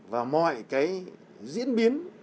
và mọi cái diễn biến